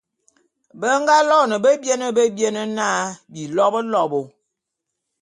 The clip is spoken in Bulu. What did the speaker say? Be nga loene bebiene bebiene na, Bilobôlobô.